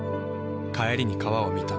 帰りに川を見た。